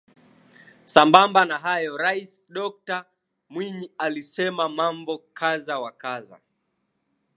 Sambamba na hayo Rais Dokta Mwinyi alisema mambo kadha wa kadha